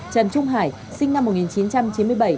trần trung hải sinh năm một nghìn chín trăm chín mươi bảy